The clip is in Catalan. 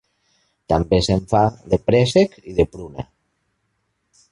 També se'n fa de préssec i de pruna.